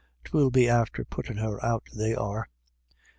'Twill be after puttin' her out they are."